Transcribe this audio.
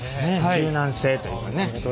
柔軟性というかね。